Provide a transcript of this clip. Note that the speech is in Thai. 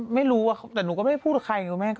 ไม่รู้อะแต่หนูก็ไม่ได้พูดกับใคร